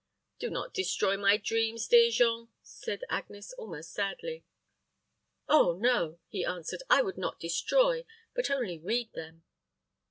"Do not destroy my dreams, dear Jean," said Agnes, almost sadly. "Oh, no," he answered, "I would not destroy, but only read them."